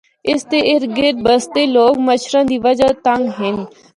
اس دے اردگرد بسے دے لوگ مچھراں دی وجہ تنگ ہن۔